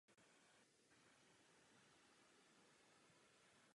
To samé nyní tento bůh učí svoje děti.